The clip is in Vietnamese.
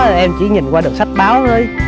hồi đó em chỉ nhìn qua được sách báo thôi